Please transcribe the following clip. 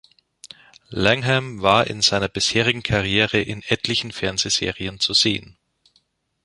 Langham war in seiner bisherigen Karriere in etlichen Fernsehserien zu sehen.